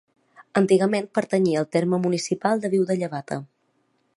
Antigament pertanyia al terme municipal de Viu de Llevata.